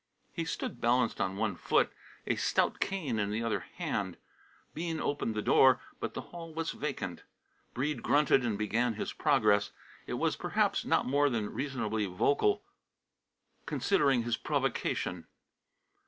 He stood balanced on one foot, a stout cane in either hand. Bean opened the door, but the hall was vacant. Breede grunted and began his progress. It was, perhaps, not more than reasonably vocal considering his provocation.